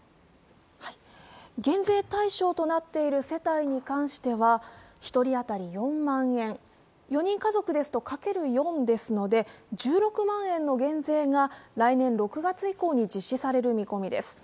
減税対象となっている世帯に関しては１人当たり４万円、４人家族ですと、かける４ですので１６万円の減税が来年６月以降に実施される見込みです。